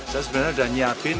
saya sebenarnya sudah menyiapkan